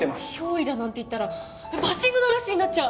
憑依だなんて言ったらバッシングの嵐になっちゃう！